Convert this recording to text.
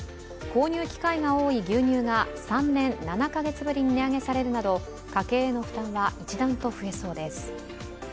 購入機会が多い牛乳が３年７か月ぶりに値上げされるなど家計への負担は一段と増えそうです。